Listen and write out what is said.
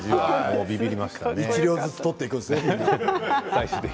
１両ずつ取っていくんですね。